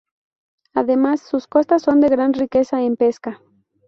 Además, sus costas son de una gran riqueza en pesca.